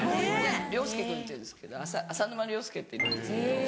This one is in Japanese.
亮介君っていうんですけど浅沼亮介っていうんですけど。